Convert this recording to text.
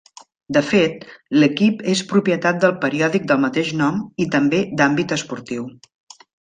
De fet, l'Equipe és propietat del periòdic del mateix nom i també d'àmbit esportiu.